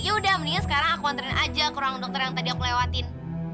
yaudah mendingan sekarang aku anterin aja ke ruang dokter yang tadi aku lewatin